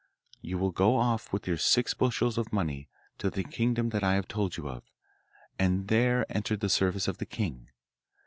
You will go off with your six bushels of money, to the kingdom that I have told you of, and there enter the service of the king.